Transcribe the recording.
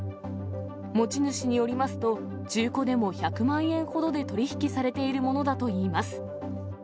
持ち主によりますと、中古でも１００万円ほどで取り引きされているものだといいます。